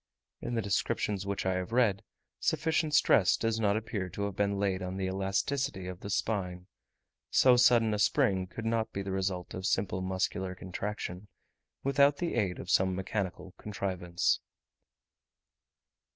In the descriptions which I have read, sufficient stress does not appear to have been laid on the elasticity of the spine: so sudden a spring could not be the result of simple muscular contraction, without the aid of some mechanical contrivance.